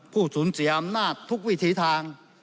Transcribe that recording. ผู้สูญเสียอำนาจทุกวิถีทาง